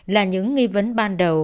là những nghi vấn ban đầu